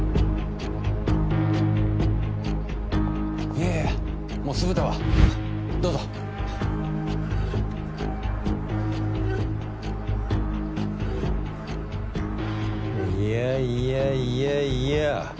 いやいやもう酢豚はどうぞいやいやいやいや